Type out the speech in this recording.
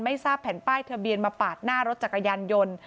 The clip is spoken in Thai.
ทราบแผ่นป้ายทะเบียนมาปาดหน้ารถจักรยานยนต์